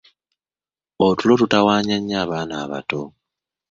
Otulo tutawaanya nnyo abaana abato.